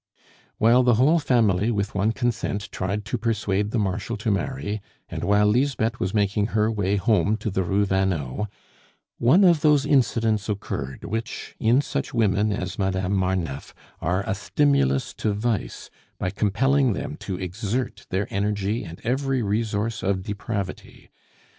While the whole family with one consent tried to persuade the Marshal to marry, and while Lisbeth was making her way home to the Rue Vanneau, one of those incidents occurred which, in such women as Madame Marneffe, are a stimulus to vice by compelling them to exert their energy and every resource of depravity.